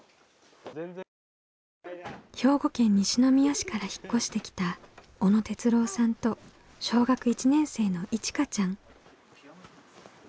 兵庫県西宮市から引っ越してきた小野哲郎さんと小学１年生のいちかちゃん。